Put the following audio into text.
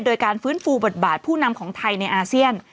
โดยการฟื้นฟูบทบาทผู้นำของไทยในอาเซียน